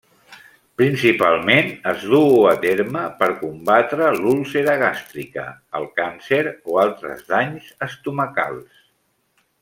Principalment es duu a terme per combatre l'úlcera gàstrica, el càncer o altres danys estomacals.